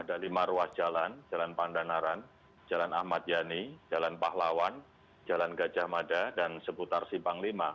ada lima ruas jalan jalan pandanaran jalan ahmad yani jalan pahlawan jalan gajah mada dan seputar simpang v